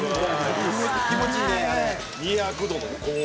気持ちいいねあれ。